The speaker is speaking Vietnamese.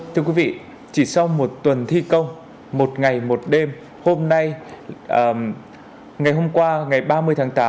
thưa quý vị chỉ sau một tuần thi công một ngày một đêm hôm nay ngày hôm qua ngày ba mươi tháng tám